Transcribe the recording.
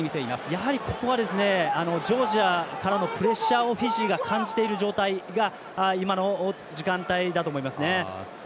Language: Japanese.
やはり、ここはジョージアからのプレッシャーをフィジーが感じている状態が今の時間帯だと思いますね。